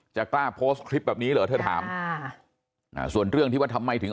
กล้าโพสต์คลิปแบบนี้เหรอเธอถามอ่าส่วนเรื่องที่ว่าทำไมถึง